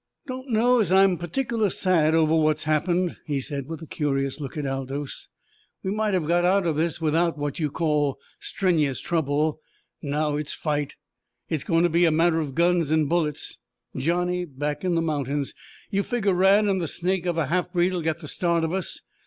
"Don't know as I'm pertic'lar sad over what's happened," he said, with a curious look at Aldous. "We might have got out of this without what you call strenu'us trouble. Now it's fight! It's goin' to be a matter of guns an' bullets, Johnny back in the mountains. You figger Rann an' the snake of a half breed'll get the start of us.